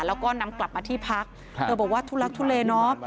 แล้วก็นำกลับมาที่พักเธอบอกว่าทุลักทุเลเนาะ